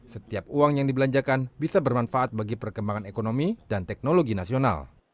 setiap uang yang dibelanjakan bisa bermanfaat bagi perkembangan ekonomi dan teknologi nasional